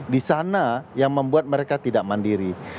di sana yang membuat mereka tidak mandiri